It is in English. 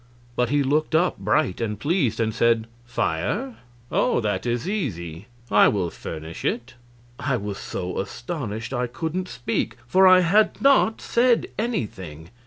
But he looked up bright and pleased, and said: "Fire? Oh, that is easy; I will furnish it." I was so astonished I couldn't speak; for I had not said anything.